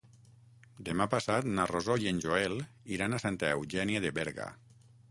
Demà passat na Rosó i en Joel iran a Santa Eugènia de Berga.